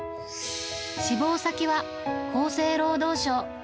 志望先は厚生労働省。